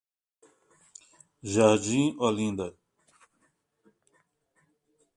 Jardim Olinda